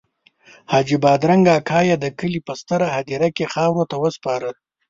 حاجي بادرنګ اکا یې د کلي په ستره هدیره کې خاورو ته وسپاره.